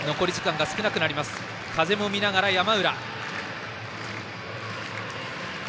風も見ながら、山浦。